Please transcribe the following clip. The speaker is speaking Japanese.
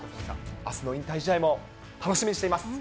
あすの引退試合も楽しみにしています。